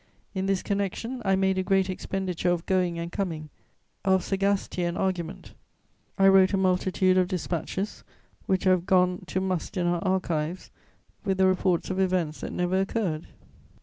In this connection, I made a great expenditure of going and coming, of sagacity and argument; I wrote a multitude of dispatches, which have gone to must in our archives with the reports of events that never occurred.